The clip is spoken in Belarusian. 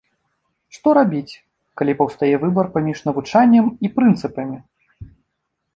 Што рабіць, калі паўстае выбар паміж навучаннем і прынцыпамі?